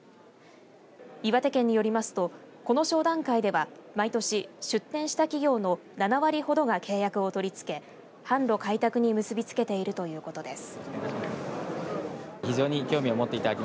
岩田県によりますとこの商談会では毎年、出展した企業の７割ほどが契約を取り付け販路開拓に結びつけているということです。